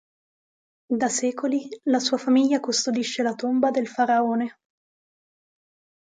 Da secoli, la sua famiglia custodisce la tomba del Faraone.